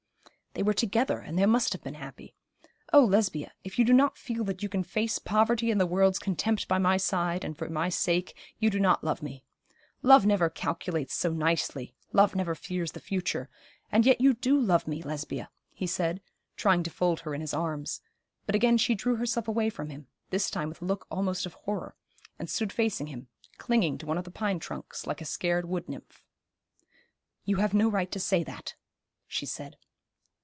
'They were together, and they must have been happy. Oh, Lesbia, if you do not feel that you can face poverty and the world's contempt by my side, and for my sake, you do not love me. Love never calculates so nicely; love never fears the future; and yet you do love me, Lesbia,' he said, trying to fold her in his arms; but again she drew herself away from him this time with a look almost of horror and stood facing him, clinging to one of the pine trunks, like a scared wood nymph. 'You have no right to say that,' she said.